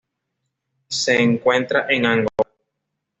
Se encuentra en Angola.